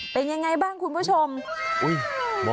เป็นยังไงบ้างคุณผู้ชม